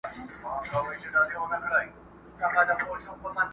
لکه پاتا ته وي راغلي پخوانۍ سندري!!